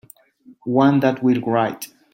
One that will write.